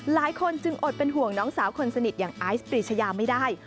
หลายคนจึงอดเป็นห่วงน้องสาวคนสนิทอย่างไอซ์ปรีชยาไม่ได้